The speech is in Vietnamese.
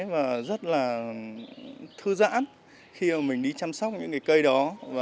và rất là thư giãn khi mình đi chăm sóc những cái cây đó